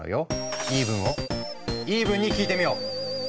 言い分をイーブンに聞いてみよう。